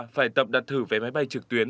phải tập đặt thử vé máy bay trực tuyến